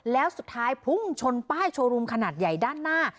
แล้วสุดท้ายพุ่งชนป้ายโชว์รูมขนาดใหญ่ด้านหน้า